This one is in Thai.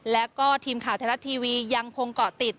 และก็ทีมข่าวไทยรัฐทีวียังคงเกาะติด